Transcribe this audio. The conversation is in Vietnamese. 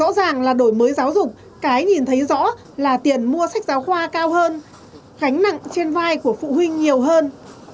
rõ ràng là đổi mới giáo dục cái nhìn thấy rõ là tiền mua sách giáo khoa cao hơn gánh nặng trên vai của phụ huynh nhiều hơn